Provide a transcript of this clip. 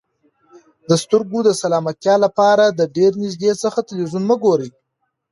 د سترګو د سلامتیا لپاره د ډېر نږدې څخه تلویزیون مه ګورئ.